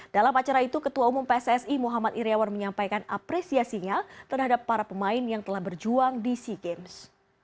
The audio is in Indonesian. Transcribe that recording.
dalam acara itu ketua umum pssi muhammad iryawan menyampaikan apresiasinya terhadap para pemain yang telah berjuang di sea games